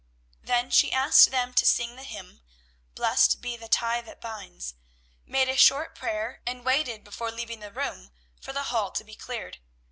Then she asked them to sing the hymn "Blest be the tie that binds," made a short prayer, and waited before leaving the room for the hall to be cleared.